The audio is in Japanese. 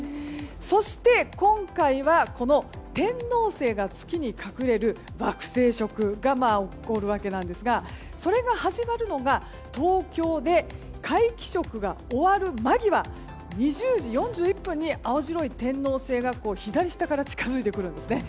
そして、今回は天王星が月に隠れる惑星食が起こるわけですがそれが始まるのが東京で皆既食が終わる間際２０時４１分に青白い天王星が、左下から近づいてくるんですね。